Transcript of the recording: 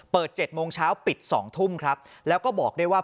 ๗โมงเช้าปิด๒ทุ่มครับแล้วก็บอกได้ว่า